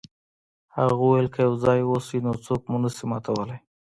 هغه وویل که یو ځای اوسئ نو څوک مو نشي ماتولی.